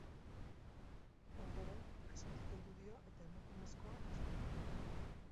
Ondoren, besotik heldu dio eta emakumezkoa astindu du.